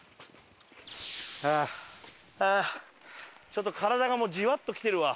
ちょっと体がもうじわっときてるわ。